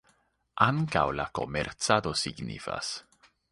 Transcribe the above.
Ankaŭ la komercado signifas.